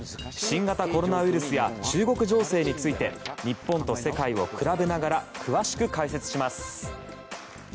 新型コロナウイルスや中国情勢について日本と世界を比べながら詳しく解説します。